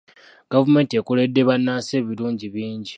Gavumenti ekoledde bannansi ebirungi bingi.